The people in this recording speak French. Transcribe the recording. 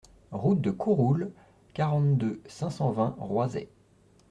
Route de Couroulle, quarante-deux, cinq cent vingt Roisey